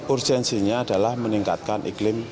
urgensinya adalah meningkatkan iklim